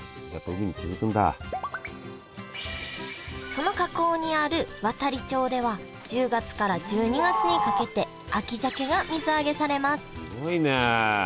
その河口にある亘理町では１０月から１２月にかけて秋鮭が水揚げされますすごいね。